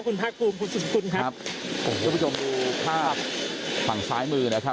คุณภูริพัฒน์บุญนิน